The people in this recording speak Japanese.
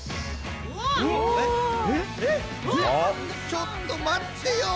ちょっとまってよ！